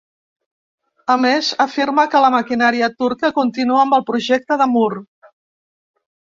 A més, afirma que la maquinària turca continua amb el projecte de mur.